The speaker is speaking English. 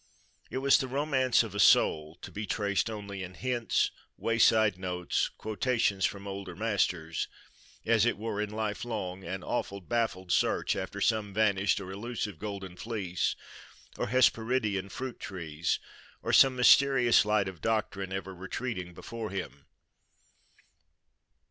It was the romance of a soul (to be traced only in hints, wayside notes, quotations from older masters), as it were in lifelong, and often baffled search after some vanished or elusive golden fleece, or Hesperidean fruit trees, or some mysterious light of doctrine, ever retreating before him.